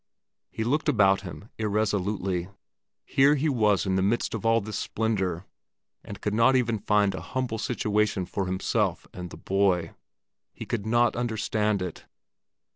He looked about him irresolutely. Here he was in the midst of all this splendor, and could not even find a humble situation for himself and the boy. He could not understand it.